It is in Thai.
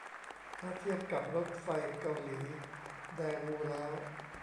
ถ้าเทียบกับรถไฟเกาหลีแดวูแล้ว